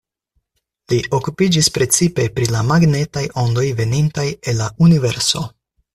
Li okupiĝis precipe pri la magnetaj ondoj venintaj el la universo.